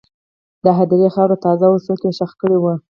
د هدیرې خاوره تازه وه، څوک یې ښخ کړي وو.